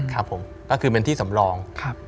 ครับผมก็คือเป็นที่สำรอง